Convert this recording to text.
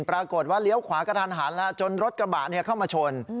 ปรากฏว่าเลี้ยวขวากระทันหันแล้วจนรถกระบะเข้ามาชน